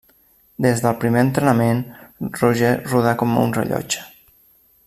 Des del primer entrenament Roger rodà com un rellotge.